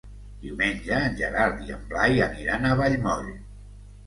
Diumenge en Gerard i en Blai aniran a Vallmoll.